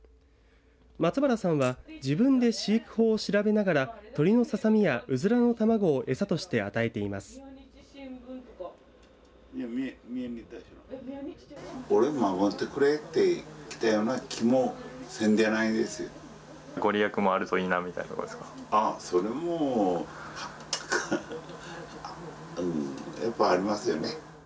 松原さんは自分で飼育法を調べながら鶏のささみや、うずらの卵をエサとして与えています。